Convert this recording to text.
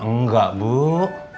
emangnya bapak ketemu sama dia